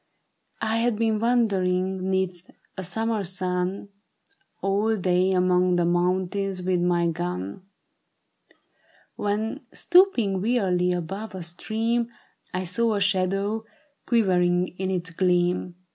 I had been wandering 'neath a summer's sun All day among the mountains with my gun, When, stooping wearily above a stream, I saw a shadow quivering in its gleam.